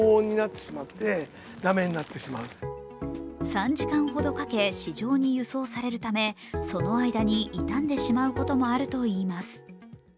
３時間ほどかけ市場に輸送されるためその間に傷んでしまうこともあるといいます。